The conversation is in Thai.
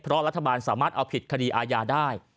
เพราะรัฐบาลสามารถเอาผิดคดีอาญาได้